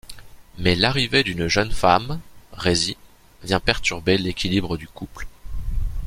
Mais l'arrivée d'une jeune femme, Rézi, vient perturber l'équilibre du couple.